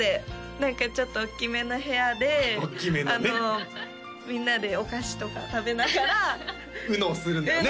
何かちょっとおっきめな部屋であのみんなでお菓子とか食べながらＵＮＯをするんだよね？